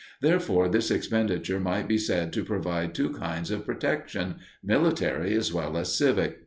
Therefore this expenditure might be said to provide two kinds of protection military as well as civic.